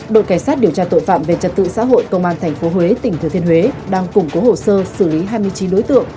đội cảnh sát điều tra tội phạm về trật tự xã hội công an tp huế tỉnh thừa thiên huế đang củng cố hồ sơ xử lý hai mươi chín đối tượng